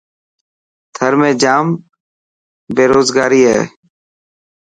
ٿر ۾ ڄام بيروگاري هي.